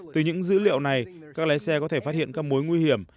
từ những dữ liệu này các lái xe có thể phát hiện các mối nguy hiểm